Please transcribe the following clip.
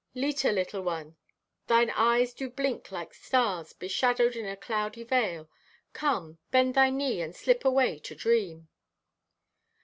"Leta, little one, thine eyes do blink like stars beshadowed in a cloudy veil. Come, bend thy knee and slip away to dream!"